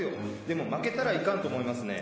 でも負けたらいかんと思いますね。